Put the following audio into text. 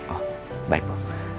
oh baik bu